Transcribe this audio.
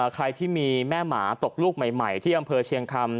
ใครที่มีแม่หมาตกลูกใหม่ที่อำเภอเชียงคำ